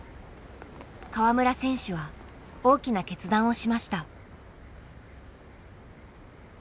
川村選手は大きな決断をしました。